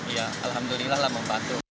ya alhamdulillah lah membantu